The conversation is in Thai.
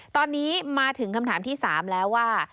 ตอนนี้มาถึงคำถามที่๓แล้วว่า